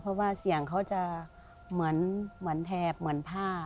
เพราะว่าเสียงเขาจะเหมือนแถบเหมือนผ้า